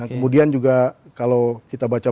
kemudian juga kalau kita baca